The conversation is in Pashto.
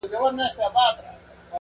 تر پښو لاندي قرار نه ورکاوه مځکي-